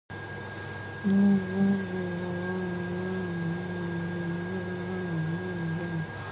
Dickson characterized the law as regulating entertainment as a means to boost alcohol sales.